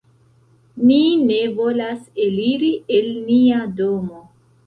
"Ni ne volas eliri el nia domo."